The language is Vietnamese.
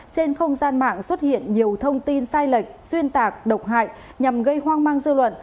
trên không gian mạng xuất hiện nhiều thông tin sai lệch xuyên tạc độc hại nhằm gây hoang mang dư luận